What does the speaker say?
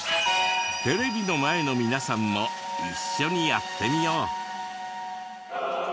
テレビの前の皆さんも一緒にやってみよう。